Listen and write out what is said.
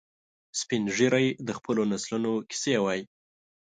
سپین ږیری د خپلو نسلونو کیسې وایي